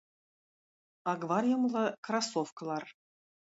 Аквариумлы кроссовкалар